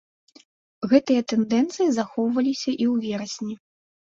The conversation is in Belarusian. Гэтыя тэндэнцыі захоўваліся і ў верасні.